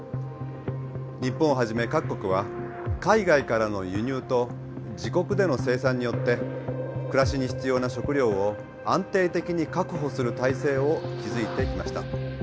日本をはじめ各国は海外からの輸入と自国での生産によって暮らしに必要な食料を安定的に確保する体制を築いてきました。